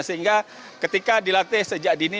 sehingga ketika dilatih sejak dini